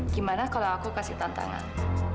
gimana kalau aku kasih tantangan